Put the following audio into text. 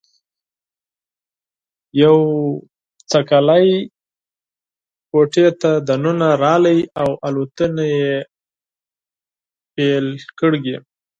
یو شوپرک کوټې ته دننه راغلی او الوتنې یې پیل کړې.